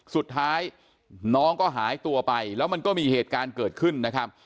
สุดท้ายน้องก็หายตัวไปแล้วมันก็มีเหตุการณ์เกิดขึ้นนะครับ